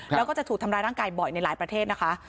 แล้วก็จะถูกทำร้ายร่างกายบ่อยในหลายประเทศนะคะ